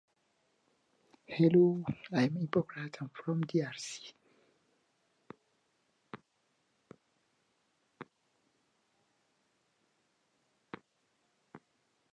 He was among those who objected to British taxation policies.